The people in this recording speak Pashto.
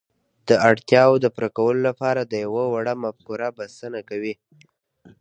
د اړتياوو د پوره کولو لپاره يوه وړه مفکوره بسنه کوي.